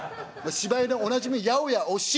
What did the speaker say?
芝居でおなじみ『八百屋お七』。